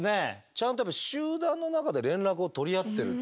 ちゃんと集団の中で連絡を取り合ってるっていうね